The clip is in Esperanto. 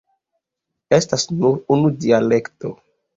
Estas nur unu dialekto.